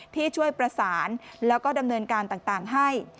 ที่ช่วยประสานแล้วก็ดำเนินการต่างให้